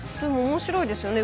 面白いですよね。